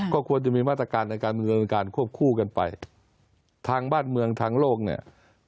ก็ควรจะมีมาตรการในการดำเนินการควบคู่กันไปทางบ้านเมืองทางโลกเนี่ย